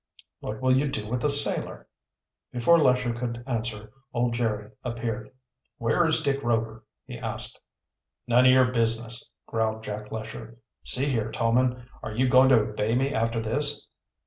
"What will you do with the sailor?" Before Lesher could answer old Jerry appeared. "Where is Dick Rover?" he asked. "None of your business," growled Jack Lesher. "See here, Tolman, are you going to obey me after this?"